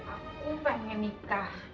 aku pengen nikah